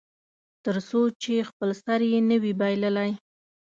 تر څو چې خپل سر یې نه وي بایللی.